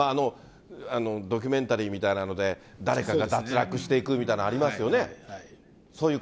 ドキュメンタリーみたいなので、誰かが脱落していくみたいなのありますよね。